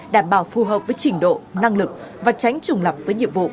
đảm bảo phù hợp với trình độ năng lực và tránh trùng lập với nhiệm vụ